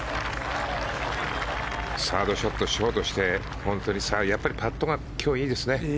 サードショットショートしてやっぱりパットが今日いいですね。